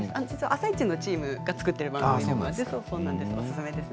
「あさイチ」のチームが作っている番組です。